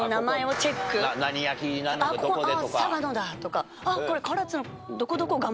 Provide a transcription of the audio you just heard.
何焼なのでどこでとか。